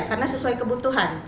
karena sesuai kebutuhan